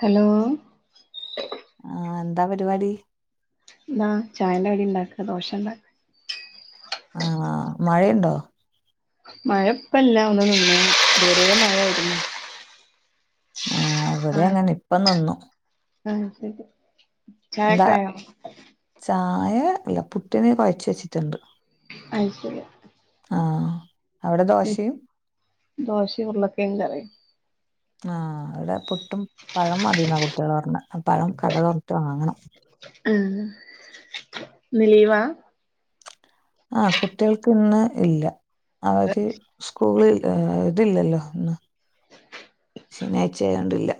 Hello ആഹ എന്താ പരിപാടി എന്നാ ചായൻ്റെ കടി ഉണ്ടാക്കാ ദോശ ഉണ്ടാക്കാ ആഹ മഴയുണ്ടോ മഴ ഇപ്പല്ല ഒന്ന് നിന്ന്ണ് ഇതുവരെ മഴേനി ആ് ഇവിടെ അങ്ങനെ ഇപ്പ നിന്നു ആഹ ശരി എന്താ ചായൊക്കെ ആയോ ചായ ഇല്ല പുട്ടനീ കുഴച്ച് വെച്ചിട്ടുണ്ട് അയ് ശരി ആഹ് അവിടെ ഉം, ദോശയും ദോശയും ഉരുളക്കിഴങ്ങ് കറിയും ആഹ അൾഇവിടെ പുട്ടും പഴം മതിന്നാ കുട്ടികൾ പറഞ്ഞ പഴം കട് വറത്തതും വാങ്ങണം ഉം ഇന്ന്ലീവാ ആഹ കുട്ടികൾക്ക് ഇന്ന് ഇല്ല അവര് സ്കൂള് ഇതില്ലല്ലോ ഇന്ന് ശനിയാഴ്ച ആയോതോണ്ടില്ല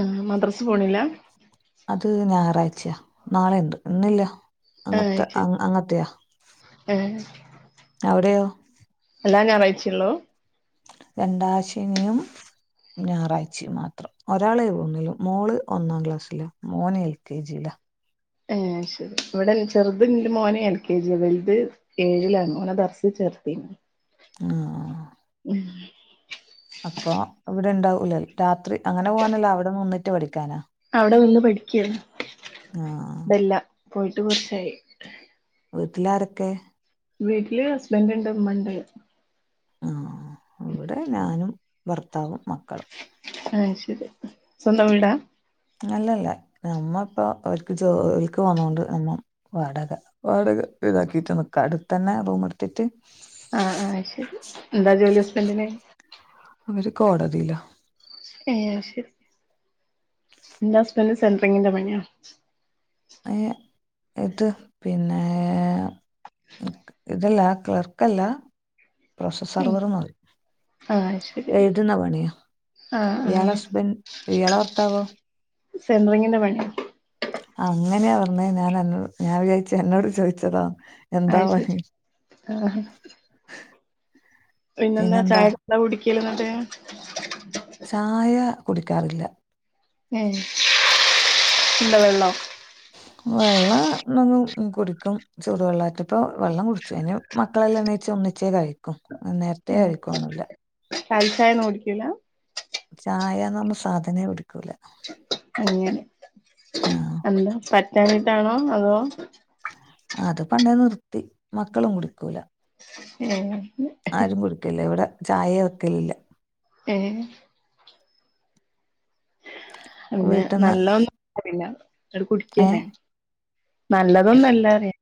ആ മദ്റസ് പോണില്ലേ അത് ഞായറാഴ്ചയാ നാളെണ്ട് ഇന്നില്ല ആഹ് അങ്ങത്തെ അ ശരി അങ്ങത്തെയാ ഏഹ് അവിടെയോ എല്ലാ ഞായറായ്ച്ചയുള്ളൂ രണ്ടാം ശനിയും ഞായറാഴ്ചയും മാത്രം ഒരാളെ പോകുന്നുള്ളു മോള് ഒന്നാം ക്ലാസ്സില മോന് എൽ കെ ജി യിലാ ഹേശരി ഇവിടെ ചെറുതണ്ട് എന്റെ മോനെ എൽ കെ ജി വലുത് ഏഴിലാണ് ഓനെ ദർസീച്ചേർത്തി ആഹ ഉം അപ്പൊ ഇവിടെ ഉണ്ടാവൂല രാത്രി അങ്ങനെ പോകാനല്ലോ അവിടെ നിന്നിട്ട് പഠിക്കാനാ അവിടെ നിന്ന് പഠിക്കാ ആ ഇപ്പില്ല പോയിട്ട് കുറച്ചായി വീട്ടിലാരൊക്കെ വീട്ടില് ഹസ്ബൻഡ് ഉണ്ട് ഉമ്മണ്ട് ആ ഇവിടെ ഞാനും ഭർത്താവും മക്കളും ആ ശരി സ്വന്തം വീടാ അല്ലല്ല നമ്മ ഇപ്പോ അവക്ക് ജോലിക്ക് പോന്നോണ്ട് നിന്ന വാടക വാടക ഇതാക്കിട്ട് നക്ക അവിടെ തന്നെ റൂം എടുത്തിട്ട് ആ ആ ശരി എന്താ ജോലി ഹസ്ബൻഡിന് അവര് കോടതിയില എ ശ എന്റെ ഹസ്ബൻന്റ് സെട്രങ്ൻ്റെ പണിയാ [unintelligible] ഇത് പിന്നേ ഇതല്ല ക്ലർക്കല്ല പ്രൊസസർവർ പറയും ആഹ് ശരി എഴുതുന്ന പണിയോ ആഹ് ഇയാളെ ആഹ് ഹസ്ബൻറ് ഇയാളെ ഭർത്താവോ സെൻഡറിങ്ങിന്റെ പണിയ അങ്ങനെയാ പറഞ്ഞ ഞാൻ വിചാരിച്ചു എന്നോട് ചോദിച്ചതാ എന്താ പണി ഐശരി ആ നിങ്ങള് പിന്നെന്താ ചായെല്ല കുടിക്കല എന്നിട്ട് ചായ കുടിക്കാറില്ല ഏ എന്ത വെള്ളം വെള്ളം എന്നും കുടിക്കും ചൂടു വെള്ളായട്ട് ഇപ്പൊ വെള്ളം കുടിച്ചു അതിന് മക്കളെല്ലാം എണിച്ച് ഒന്നിച്ചേ കഴിക്കു ക്കും നേരത്തെേ കഴിക്കും പാൽച്ചായ കുടിക്കല് ചായന്ന സാധനമേ പിടിക്കൂല അങ്ങനെ എന്താ പറ്റണ്ടിട്ടാണോ അതോ ആ അത് പണ്ടേ നിർത്തി മക്കളും കുടിക്കൂല ഏ ആരുംകുടികുല്ല്യ ഇവിടെചായേവെക്കല്ല്യ ഏഹ് വീട്ടിൽ നിന്ന് പിന്നെനല്ലൊന്നുല്ല ആണ്ട് ഏ കുടിക്കെന്നെ നല്ലതോന്നല്ലറിയ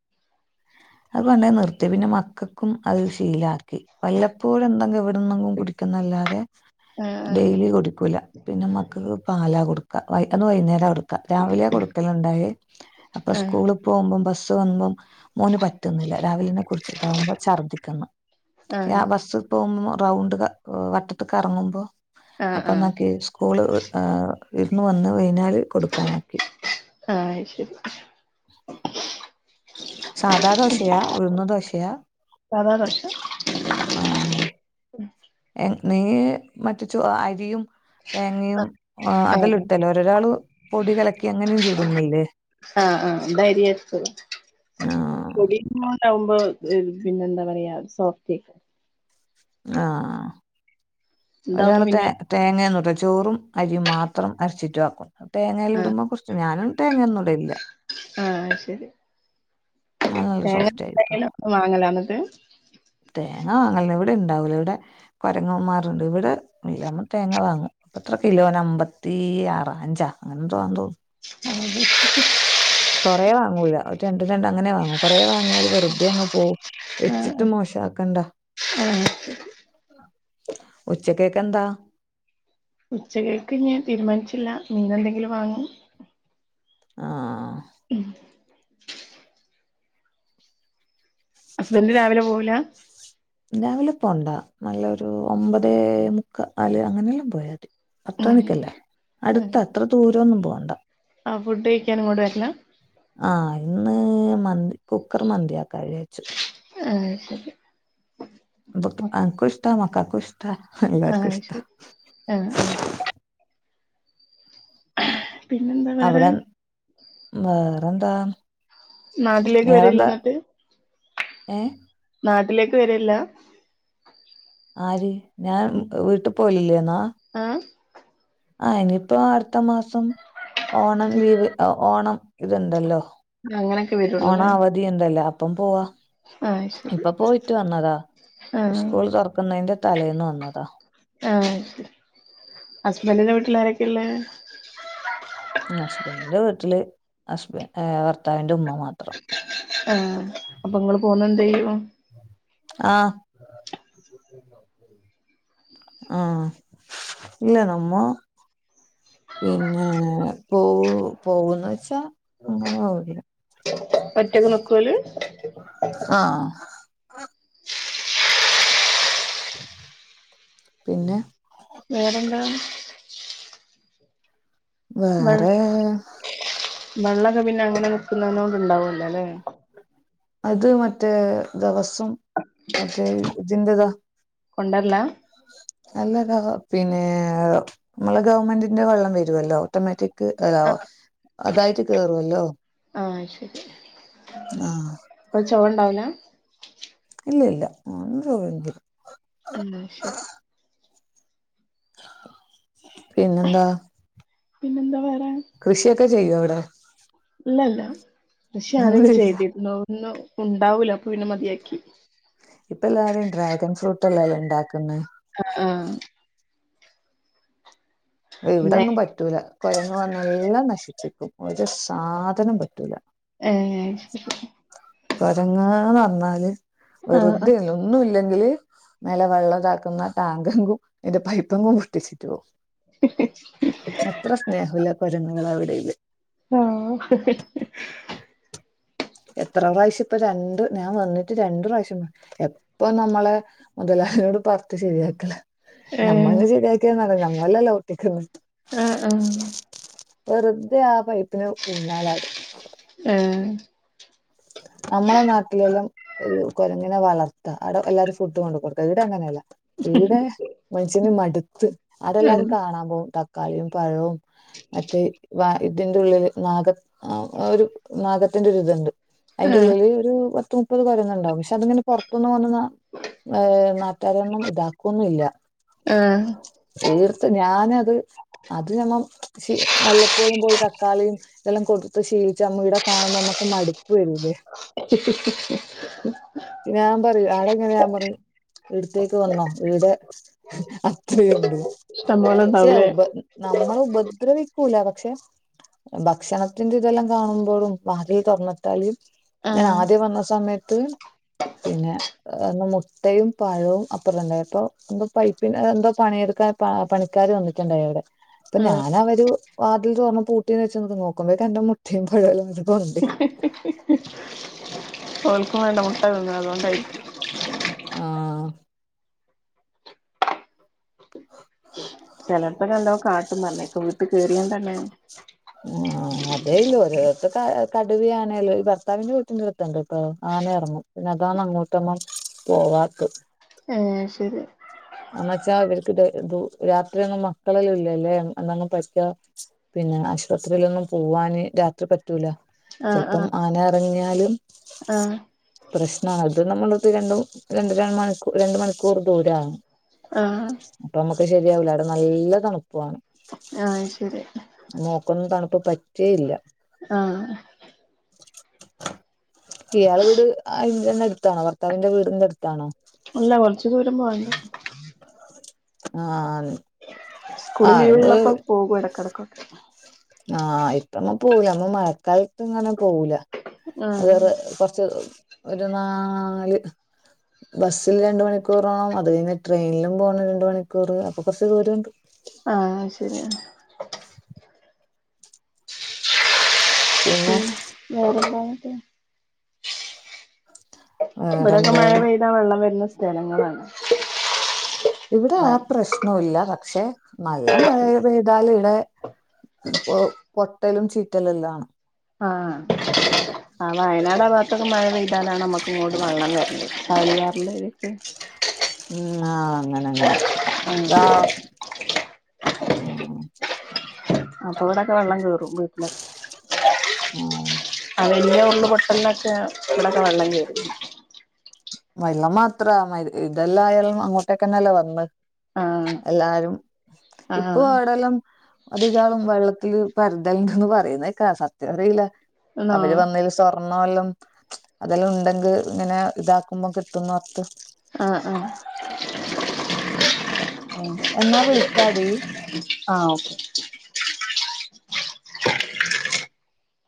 അത് പണ്ടെനിർത്തി പിന്നെ മക്കക്കും അത് ഒരു ശീലാക്കി വല്ലപ്പോഴെന്തെഗ് ഇവിടെന്നെങ്ങുംകുടിക്കുന്നെല്ലാതെ ആഹ് ആഹ് ഡെയിലികുടിക്കൂലപിന്നെ മക്കക്ക്പാലകൊടുക്കഅയി വൈന്നേരാർ രാവിലെയെകൊടുക്കല്ണ്ടായി ആഹ് അപ്പസ്കൂളിള്പോമ്പോം ബസ് വന്നും മോന് പ ക്കന്ന് ആഹ് ബസ്സിപോമ്പോറൗണ്ട് ക വട്ടത്ത്കറങ്ങുമ്പോ ആഹ് ആഹ് അപ്പന്നാക്കിസ്കൂള് ഇരുന്ന്വന്ന് വൈനാല് കൊടുക്കാനാക്കി ആഹ് ശെരി സാധാദോശയാഉഴുന്നദോശയാ സാധാ ദോശ ആഹ് എഹ് നീ മറ്റ ചൊ അരിയും ആഹ് തേങ്ങയുംഅതെല്ലാംഇട്ടല്ലേ ഒരാള്പൊടികലക്കിഅങ്ങനെയും ചൂടുന്നില്ലേ ആഹ് ആഹ് ന്തര്യാട്ട് ആഹ് പൊടിപോലാവുമ്പോ പിന്നെന്താ പറയാസോഫ്റ്റ്ക്ക ഇതാവുമ്പോ ആഹ്ഒരാള്തേ പിന്നെ തേങ്ങന്ന്ട് ചോറുംഅരിയും മാത്രം അരച്ചിട്ടുവാക്കും ആഹ് തേങ്ങേല്ല്ടുമ്പോകൊർച് ഞാനും തേങ്ങൊന്നുംഇടലില്ല്യ. തേങ്ങന്തെങ്കിലുംവാങ്ങലന്നത് തേങ്ങാഅല്ലവ്ടെണ്ടാവൂല ഇവിടെ കൊരങ്ങന്മാരണ്ട്ഇവിടെഇല്ല്യാ നമ്മള്തേങ്ങവാങ്ങും ഇപ്പ എത്രകിലോനഅമ്പത്തിആറ അഞ്ചാഅങ്ങനെന്തോആന്ന്തോന്നു ആ കൊറേവാങ്ങൂലരണ്ടുരണ്ട് അങ്ങനെവാങ്ങുകൊറേ വാങ്ങിയല് വെറുതേ അങ്ങ് പോവും ആഹ് വെച്ചിട്ട്മോശാക്കണ്ടാ ആഹ് ശരി ഉച്ചകേക്കെന്താ ഉച്ചക്കെക്ക് ഞാൻ തീരുമാനിച്ചില്ല മീൻ എന്തെങ്കിലും വാങ്ങും. ആഹ് ഉം ഹസ്‌ബെൻഡ്‌ രാവിലെ പോവൂലാ രാവിലെ പോവണ്ടാ നല്ലൊരു ഒമ്പത് മുക്കാല് അങ്ങനെല്ലാം പോയാതി ഉം പത്തുമണിക്കല്ലേ അടുത്ത അത്ര ദൂരൊന്നും പോവണ്ട. ആ ഫുഡ്കഴിക്കാനുയിങ്ങോട്ട് വരണം ആഹ് ഇന്ന് മന്തി കുക്കർമന്തിയാക്ക വിചാരിച്ചു ആത് ശരി അൻകു ഇഷ്ട്ടാ മക്കക്കു ഇഷ് ടർഫൻ ആഹ് ശരി ആഹ് ആഹ് പിന്നെന്താ അവിടെ വേറെ വേറെന്താ നാട്ടിലേക്ക് വരുവല്ലോ എന്നിട്ട് ഏഹ് നാട്ടിലേക്ക് വെരിയില്ല ആര് ഞാൻ വീട്ടിപോവിയില്ലേന്നാ ഏഹ് ആ ഇനിയിപ്പം അടുത്തമാസം ഓണംലീവ് ഓണം ഇത് ഒണ്ടല്ലോ അങ്ങനെ ഓണ അവധി ഒണ്ടല്ലേ അപ്പംപ്പോവാ ആഹ് ശരി ഇപ്പൊപോയിട്ട് വന്നതാ ആഹ് സ്കൂള് തൊറക്കുന്നതിന്റെ തലേന്ന് വന്നതാ ആഹ് ശരി ഹസ്ബന്റിന്റെ വീട്ടിലാരൊക്കെയെള്ളേ ഹസ്ബന്റിന്റെവീട്ടില് ഹസ്ബ ഭർത്താവിന്റെ ഉമ്മ മാത്രം ആഹ് അപ്പം നിങ്ങള് പോവുണ്ടോ ഈവം ആഹ് ആഹ് ഇല്ല നമ്മ പിന്നെ പോ പോകുന്നുവെച്ചാ അങ്ങനെ അവധിയാ ഒറ്റക്ക് നോക്കൂല് ആഹ് പിന്നെ വേറെ എന്താണ് വേറെ വെള്ളൊക്കെ പിന്നെ എങ്ങനെ വെക്കുന്നോണ്ട് ഉണ്ടാവല്ലോല്ലേ അത് മറ്റേ ദിവസം മറ്റേ ഇതിന്റെതാ കൊണ്ടല്ലാം അല്ലതോ പിന്നെ നമ്മടെ ഗവൺമെന്റിന്റെ വെള്ളം വരുവല്ലോ ഓട്ടോമാറ്റിക് ആഹ് അതായിട്ട് കേറുവല്ലോ ആഹ് ശരി ആഹ് ഒരു ചെവ ഒണ്ടാവില്ല ഇല്ല ഇല്ല ഒന്നു ഇല്ല എന്നാ ശരി പിന്നെന്താ പിന്നെന്താ വരാൻ കൃഷിയൊക്കെ ചെയ്യ്തോ അവിടെ ഇല്ലല്ല പക്ഷെ അതിനെ ഒന്നും ചെയ്യില്ല കുറിച്ച് ഒന്നും ഉണ്ടാവൂല അപ്പൊ പിന്നെ മതിയാക്കി ഇപ്പ എല്ലാരും ഡ്രാഗൺ ഫ്രൂട്ട്ല്ലെല്ലാം ഒണ്ടാക്കുന്നേ ആഫ് ആഹ് ഇവിടൊന്നും പറ്റൂല കുരങ്ങ് വന്ന് എല്ലാം നശിച്ചി ക്കും ഒരു സാധനം പറ്റൂല ഏ ഹ് കൊരങ്ങാ ന്നർ ഞ്ഞാല് വെറുതെ ണ് ഒന്നും ഇല്ലെങ്കില് മേലെ വെള്ളതാക്കുന്ന ടാങ്കെങ്കും അതിന്റെ പൈപ്പങ്കും പൊട്ടിച്ചിട്ട് പോകും ഹ ഹ എത്ര സ്നേഹ ല്ല കൊരങ്ങുകൾ അവിടെ ല് ആഹ് എത്ര പ്രാവശ്യം ഇപ്പ രണ്ടു ഞാൻ വന്നിട്ട് രണ്ടു പ്രാവശ്യം എപ്പൊ നമ്മള് മുതലാളി യോട് പർട്ട് ശരിയാക്കലാ ഞമ്മള് ശരിയാക്കിയ നല്ല ഞമ്മല്ലല്ലോ ഒട്ടിക്കുന്നു വെറുതെ ആ പൈപ്പിന് ഊഞ്ഞാ ലാടും ഏ ഹ് നമ്മളെ നാട്ടിലെല്ലാം [unintelligible] കൊരങ്ങനെ വളർത്താ അവിടെ എല്ലാരും ഫുഡ് കൊണ്ട് കൊടുക്കും ഇവിടെ അങ്ങനെല്ല ഇവിടെ മനുഷ്യന് മടുത്ത് അവരെല്ലാരും കാണാൻ പോകും തക്കാളിയും പഴോ മറ്റേ വ ഇതിന്റെ ഉള്ളില് നാഗ ഒരു നാഗത്തിന്റെ ഇതുണ്ട് അയ് ന്റെ ഉള്ളില് ഒരു പത്ത് മുപ്പത് കൊരങ്ങണ്ടാവും പക്ഷെ അതിങ്ങെനെ പുറത്തനിന്ന് വന്ന [unintelligible] നാട്ടാരൊന്നും ഇതാക്കൊന്നും ഇല്ല ആ തീർത്ത് ഞാനത് അത് ഞമ്മ മ വല്ലപ്പോഴും പോയി തക്കാളിയും ഇതെല്ലാം കൊടുത്ത് ശീലിച്ച മ്മ ഇവിടെ കാണുമ്പൊ മ്മക്ക് മടുപ്പ് വരില്ലേ? ശ ശ ശ ഞാൻ പറയൂ ആടെ എങ്ങനെ ഞാൻ പറിം ഇവിടുത്തേക്ക് വന്നോ ഇവിടെ അത്രയുണ്ട് ട്ടം പോലെ പക്ഷെ ഉണ്ടാവൂ ല്ലെ ഉപ നമ്മളെ ഉപദ്രവിക്കൂല പക്ഷെ ഭക്ഷണത്തിന്റെ ഇതെല്ലാം കാണുമ്പോഴും വാതിൽ തുറന്ന് ട്ടാല് ആ ഞാൻ ആദ്യം വന്ന സമെ ത്ത് പിന്നെ ഇന്ന് മുട്ടീം പഴോ [unintelligible] എന്തോ പൈപ്പിന്റെ എന്തോ പണിയെടുക്കാൻ ആ പണിക്കാർ വന്നിട്ടുണ്ടായി അവിടെ ഇപ്പൊ ആ ഞാൻ അവരു വാതിൽ തോർന്ന് പൂട്ടീന്ന് വച്ച് നോക്കുമ്പഴേക്കും എന്റെ മുട്ടീം പഴോമ്മ് എല്ലാം [unintelligible] ഓൽക്കും വേണ്ടേ മുട്ട തിന്ന അതോണ്ടായിരിക്കും ആഹ് ചിലപ്പം നല്ലോം കാട്ടും പഞ്ഞേക്കാം വീട്ട് കയറിയാണ്ട് ല്ലോ ആ അതേ ഓരോട് ത്ത് കടുവയാണ് ഈ ഭർത്താവിന്റെ വീട്ടിന്റെ അടുത്തണ്ട് ട്ടോ ആന എർ ങ്ങും പിന്നെതാണ് അങ്ങോട്ടൊന്നും പോവാത്ത് ഏ ശരി എന്ന് വെച്ചാ ഇവർക്ക് ത് എന്തോ രാത്രി അന്നും മക്കളെല്ലാം ഇല്ലല്ലേ എന്നങ് പറ്റയ പിന്നെ ആശുപത്രിലൊന്നും പോവാന് രാത്രി പറ്റൂല ആ ചെൽ ആ പ്പം ആന ഇറങ്ങ്യലും ആ പ്രശ്നാ അത് നമ്മൾ രണ്ടും രണ്ട് ര മണിക്കൂർ രണ്ട് മണിക്കൂർ ദൂരാ ആഹ് അപ്പൊ നമക്ക് ശരിയാവൂല അവിടെ നല്ല തണുപ്പാണ് ആ അത് ശെരി മോക്കൊ ന്നും തണുപ്പ് പറ്റേ ല്ല ആഹ് ഇയാളെ വീട് അയ് ന്റെന്നെ അടുത്താണോ ഭർത്താവിന്റെ വീടിന്റെ ടുത്താണോ അല്ല കൊർച്ച്‌ ദൂരം പോര് ണം ആഹ് ന്ന് സ്കൂൾ ലീവുള്ളപ്പം പോകും ഇടക്കിടയ്ക്ക് ആഹ് ഇപ്പം എങ്ങും പോവൂല നമ്മൾ മഴക്കാലത്ത് ഇങ്ങനെ പോവൂല ആ അതെയതെ കൊറച്ച് ഒരു നാല്- ബസ്സിൽ രണ്ട് മണിക്കൂർ പോണം അത് കഴിഞ് ട്രെയിനിലും പോണം രണ്ട് മണിക്കൂർ അപ്പൊ കൊറച്ച് ദൂരമുണ്ട് ആഹ് ശെരിയാണ് [inaudible] ഉം വേറെന്താ അങ്ങട്ട് [unintelligible] ഇവിടെയൊക്കെ വേറെന്ത് മഴ പെയ്താ വെള്ളം വരുന്ന സ്ഥലങ്ങളാണ് ഇവിടെ ആ വയ പ്രശ്‌നവില്ല പക്ഷെ നല്ല മഴ പെയ്താൽ ഇവിടെ- ഇപ്പൊ പൊട്ടലും ചീറ്റലും എല്ലാംമാണ് ആഹ് ആ വയനാടാ ഭാഗത്തൊക്കെ മഴ പെയ്താലാണ് നമ്മക്ക് ഇങ്ങോട്ട് വെള്ള കേറല് ചാലിയറിൽ- ഉം ആഹ് അങ്ങനെ അങ്ങനെ ആഹ് ഇപ്പ- ആ അപ്പൊ ഇവിടൊക്കെ വെള്ളം കേറും [unintelligible] ആ വലിയ ഉരുള് പൊട്ടലിനൊക്കെ ഇവിടൊക്കെ വെള്ളം കേറി വെള്ളം മാത്രാ മ ഇതെല്ലായാലും അങ്ങോട്ടൊക്കെന്നെയല്ലേ വരണെ ആഹ് എല്ലാരും ഇപ്പൊ ആഹ് അടെ- ഇവിടെയെല്ലാം അധികാളും വെള്ളത്തിൻ പരതല്ണ്ടന്ന് പറയുന്നെ കേക്കാം സത്യം അറിയില്ല അവര് വന്നാൽ സ്വർണ്ണെല്ലാം അതെല്ലാം ഉണ്ടെങ്കിൽ ഇങ്ങനെ ഇതാക്ക- [unintelligible] ആഹ് ആഹ് എന്നാ വിളിക്കാടി [unintelligible] ആഹ് ഓക്കെ